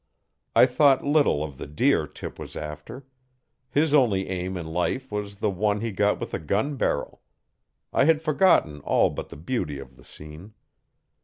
I thought little of the deer Tip was after. His only aim in life was the one he got with a gun barrel. I had forgotten all but the beauty of the scene.